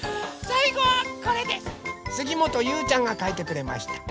すぎもとゆうちゃんがかいてくれました。